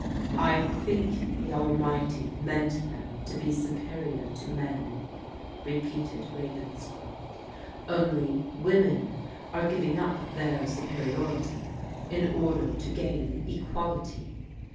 " I think the Almighty meant them to be superior to men," repeated Ravenscroft, " only women are giving up their superiority in order to gain equality.